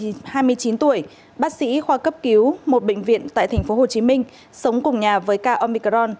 hai mươi chín tuổi bác sĩ khoa cấp cứu một bệnh viện tại tp hcm sống cùng nhà với ca omicron